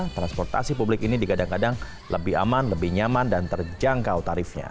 transportasi publik ini digadang gadang lebih aman lebih nyaman dan terjangkau tarifnya